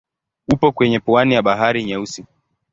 Upo kwenye pwani ya Bahari Nyeusi.